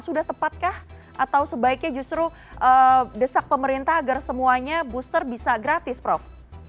sudah tepatkah atau sebaiknya justru desak pemerintah agar semuanya booster bisa gratis prof